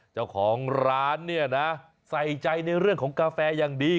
เจ้าของร้านเนี่ยนะใส่ใจในเรื่องของกาแฟอย่างดี